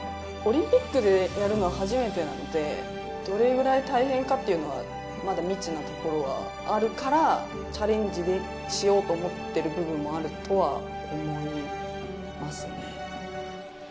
オリンピックでやるのは初めてなので、どれくらい大変かっていうのは、まだ未知なところはあるから、チャレンジしようと思ってる部分もあるとは思いますね。